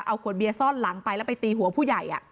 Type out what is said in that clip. เอาขวดเบียร์ซ่อนหลังไปแล้วไปตีหัวผู้ใหญ่